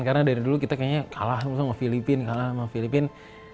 karena dari dulu kita kayaknya kalah sama filipina kalah sama filipina